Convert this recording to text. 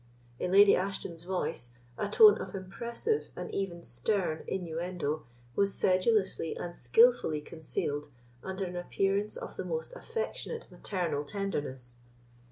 In Lady Ashton's voice, a tone of impressive, and even stern, innuendo was sedulously and skilfully concealed under an appearance of the most affectionate maternal tenderness.